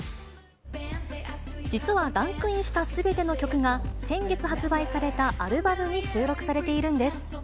実はランクインしたすべての曲が、先月発売されたアルバムに収録されているんです。